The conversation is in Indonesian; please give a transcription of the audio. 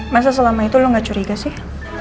masa selama itu lo gak curiga sih